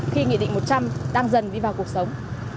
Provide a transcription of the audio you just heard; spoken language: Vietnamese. khi nghị định một trăm linh đang dần đi vào cuộc sống